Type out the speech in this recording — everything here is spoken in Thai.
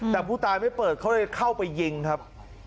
แต่ผู้ตายไม่เปิดเขาเลยเข้าไปยิงครับ